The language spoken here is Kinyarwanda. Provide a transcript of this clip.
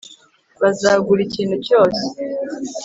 bazagura ikintu cyose